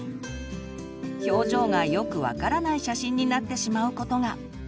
表情がよく分からない写真になってしまうことが。